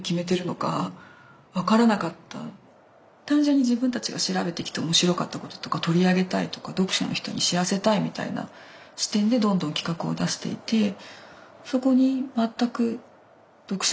単純に自分たちが調べてきて面白かったこととか取り上げたいとか読者の人に知らせたいみたいな視点でどんどん企画を出していて。